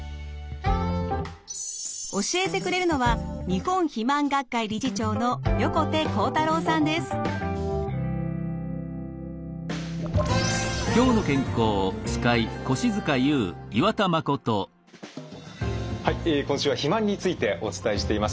教えてくれるのははい今週は「肥満」についてお伝えしています。